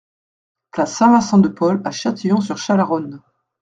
Place Saint-Vincent de Paul à Châtillon-sur-Chalaronne